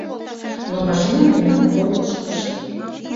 Но машина мемнан корныш ыш лек.